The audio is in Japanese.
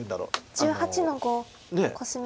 白１８の五コスミ。